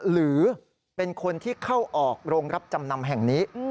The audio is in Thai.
หรือเป็นคนที่เข้าออกโรงรับจำนำแห่งนี้